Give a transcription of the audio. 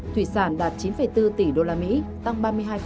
thủy sản đạt chín bốn tỷ usd tăng ba mươi hai